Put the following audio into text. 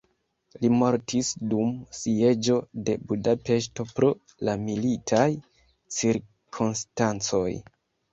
Li mortis dum sieĝo de Budapeŝto pro la militaj cirkonstancoj.